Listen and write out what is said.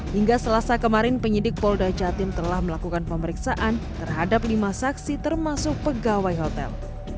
hingga selasa kemarin penyidik polda jatim telah melakukan pemeriksaan terhadap lima saksi termasuk pegawai hotel